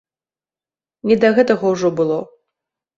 Не да гэтага ўжо было.